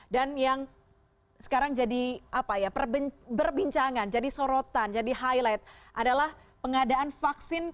dan yang sekarang jadi berbincangan jadi sorotan jadi highlight adalah pengadaan vaksin covid sembilan belas